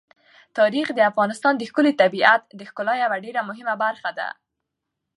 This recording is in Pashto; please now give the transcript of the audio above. تاریخ د افغانستان د ښکلي طبیعت د ښکلا یوه ډېره مهمه برخه ده.